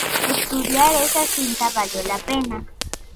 Estudiar esa cinta le valió la pena.